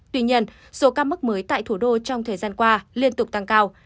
tuy nhiên số ca mắc mới tại thủ đô trong thời gian qua liên tục tăng cao